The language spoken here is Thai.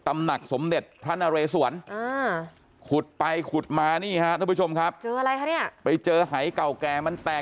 มันแตกอยู่ใต้ดินแล้วพระเต็มเลยพระเครื่องอ่า